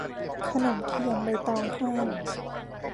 ขนมเทียนใบตองแห้ง